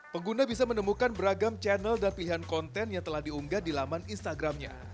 pengguna bisa menemukan beragam channel dan pilihan konten yang telah diunggah di laman instagramnya